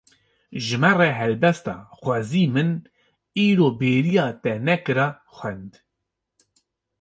Ji me re helbesta "Xwezî min îro bêriya te nekira" xwend